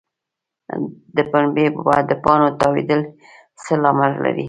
د پنبې د پاڼو تاویدل څه لامل لري؟